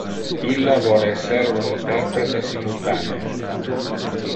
Illa vole esser un interprete simultanee.